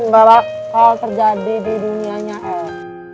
gak ada hal terjadi di dunianya el